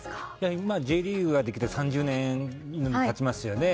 今、Ｊリーグができて３０年以上経ちますよね。